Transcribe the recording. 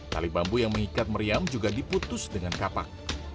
tali bambu yang mengikat meriam juga diputus dengan kapak